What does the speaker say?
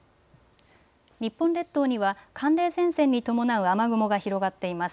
日本列島には寒冷前線に伴う雨雲が広がっています。